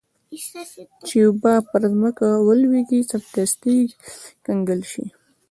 چې اوبه پر مځکه ولویږي سمدستي کنګل شي.